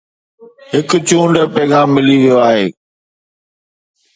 هڪ چونڊ پيغام ملي ويو آهي